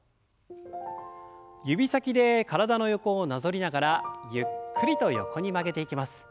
指先で体の横をなぞりながらゆっくりと横に曲げていきます。